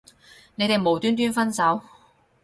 你哋無端端分手